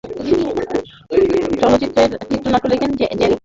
চলচ্চিত্রের চিত্রনাট্য লিখেছেন গ্যারি স্কট থম্পসন এবং ডেভিড আয়ার।